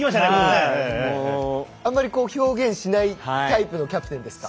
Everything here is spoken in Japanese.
あまり表現しないタイプのキャプテンですか？